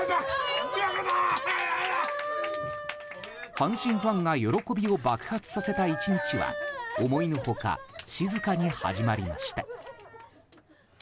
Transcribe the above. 阪神ファンが喜びを爆発させた１日は思いのほか静かに始まりました。